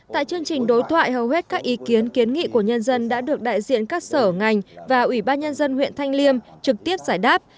tại chương trình đối thoại hầu hết các ý kiến kiến nghị của nhân dân đã được đại diện các sở ngành và ủy ban nhân dân huyện thanh liêm trực tiếp giải đáp